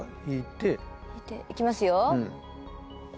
引いていきますよ。